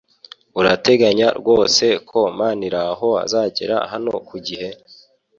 Urateganya rwose ko Maniraho azagera hano ku gihe?